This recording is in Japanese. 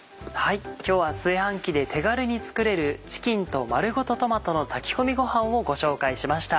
今日は炊飯器で手軽に作れる「チキンと丸ごとトマトの炊き込みごはん」をご紹介しました。